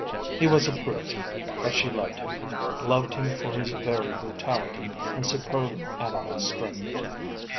He was a brute, but she loved him, loved him for his very brutality and superb animal strength.